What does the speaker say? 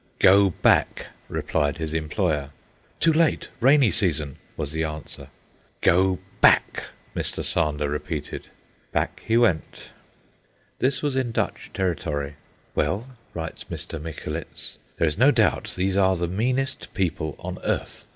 "Go back," replied his employer. "Too late. Rainy season," was the answer. "Go back!" Mr. Sander repeated. Back he went. This was in Dutch territory. "Well," writes Mr. Micholitz, "there is no doubt these are the meanest people on earth.